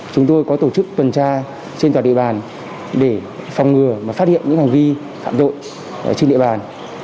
chúng tôi có tổ chức tuần tra trên toàn địa bàn để phòng ngừa và phát hiện những hành vi phạm tội trên địa bàn